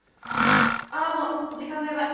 あもう時間がやばい。